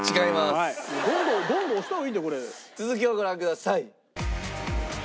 続きをご覧ください。